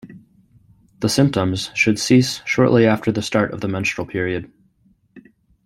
The symptoms should cease shortly after the start of the menstrual period.